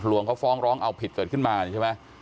เขาฟ้องร้องเอาผิดเกิดขึ้นมาใช่ไหม